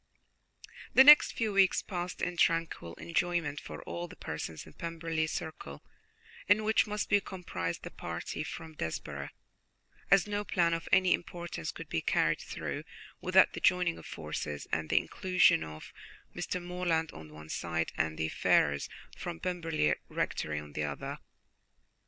The next few weeks passed in tranquil enjoyment for all the persons in the Pemberley circle, in which must be comprised the party from Desborough, as no plan of any importance could be carried through without the joining of forces, and the inclusion of Mr. Morland on the one side and the Ferrars from Pemberley Rectory on the other.